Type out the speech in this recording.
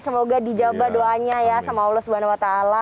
semoga dijabah doanya ya sama allah swt